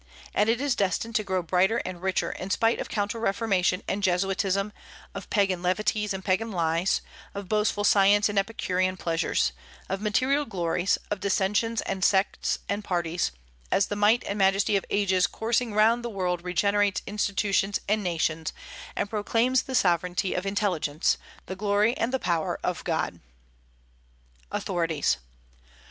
And it is destined to grow brighter and richer, in spite of counter reformation and Jesuitism, of Pagan levities and Pagan lies, of boastful science and Epicurean pleasures, of material glories, of dissensions and sects and parties, as the might and majesty of ages coursing round the world regenerates institutions and nations, and proclaims the sovereignty of intelligence, the glory and the power of God. AUTHORITIES.